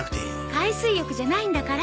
海水浴じゃないんだから。